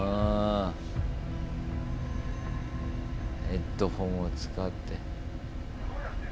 ヘッドホンを使って。